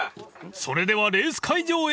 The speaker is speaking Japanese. ［それではレース会場へ］